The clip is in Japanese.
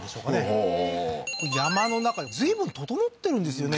おおー山の中で随分整ってるんですよね